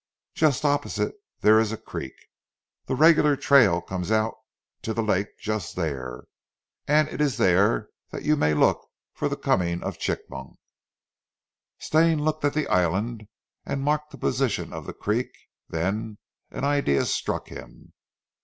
Just opposite dere ees a creek. Zee regular trail comes out to zee lak' just dere, an' it ees dere dat you may look for zee comin' of Chigmok." Stane looked at the island and marked the position of the creek, then an idea struck him.